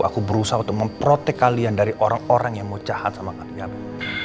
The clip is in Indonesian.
aku berusaha untuk memprotek kalian dari orang orang yang mau jahat sama kalian